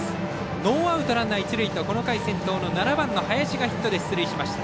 ノーアウト、ランナー、一塁とこの回先頭、７番の林がヒットで出塁しました。